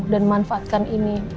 dan manfaatkan ini